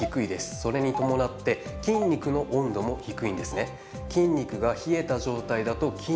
それに伴って筋肉の温度も低いんですね。